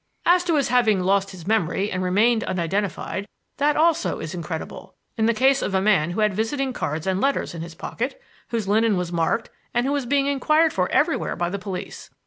"As to his having lost his memory and remained unidentified, that, also, is incredible in the case of a man who had visiting cards and letters in his pocket, whose linen was marked, and who was being inquired for everywhere by the police.